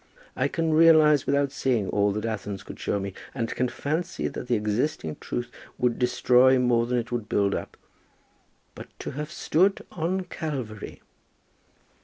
I can realize without seeing all that Athens could show me, and can fancy that the existing truth would destroy more than it would build up. But to have stood on Calvary!"